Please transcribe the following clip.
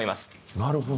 なるほど。